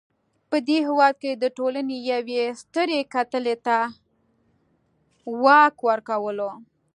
په دې هېواد کې د ټولنې یوې سترې کتلې ته د واک ورکولو.